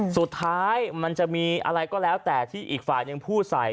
สุดท้ายมันจะมีอะไรก็แล้วแต่ที่อีกฝ่ายหนึ่งพูดใส่